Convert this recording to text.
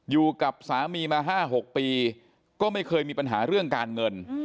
อยู่กับสามีมา๕๖ปีก็ไม่เคยมีปัญหาเรื่องการเงิน